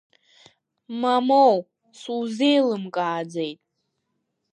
Моумоу, сузеилымкааӡеит…